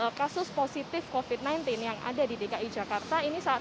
dalam uang per others slot yang terung dancing refuse abdullah adem password koska duly